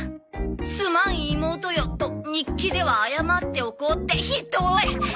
「すまん妹よと日記ではあやまっておこう」ってひどーい！